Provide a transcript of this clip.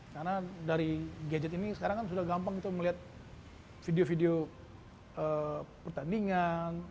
karena dari gadget ini sekarang kan sudah gampang itu melihat video video pertandingan